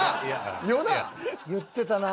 言ってたなぁ。